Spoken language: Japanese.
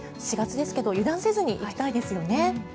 ４月ですけど油断せずにいきたいですよね。